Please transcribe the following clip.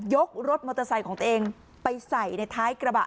รถมอเตอร์ไซค์ของตัวเองไปใส่ในท้ายกระบะ